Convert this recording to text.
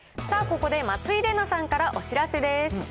ここで松井玲奈さんからお知らせです。